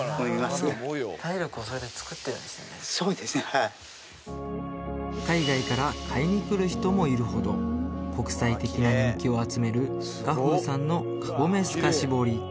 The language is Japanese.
はい海外から買いに来る人もいるほど国際的な人気を集める雅楓さんの籠目透かし彫り